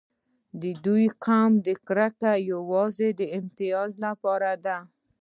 د دوی قومي کرکه یوازې د امتیاز لپاره ده.